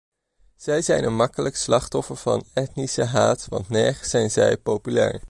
Zij zijn een makkelijk slachtoffer van etnische haat want nergens zijn zij populair.